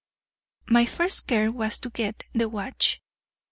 My first care was to get the watch.